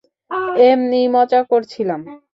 এমনিই মজা করছিলাম!